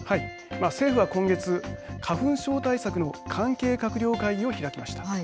政府は今月、花粉症対策の関係閣僚会議を開きました。